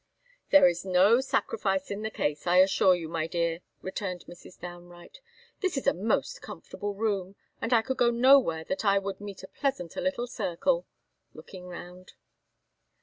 "There is no sacrifice in the case, I assure you, my dear," returned Mrs. Downe Wright. "This is a most comfortable room; and I could go nowhere that I would meet a pleasanter little circle," looking round.